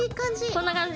こんな感じ？